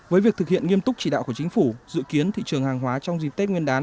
với việc thực hiện nghiêm túc chỉ đạo của chính phủ dự kiến thị trường hàng hóa trong dịp tết nguyên đán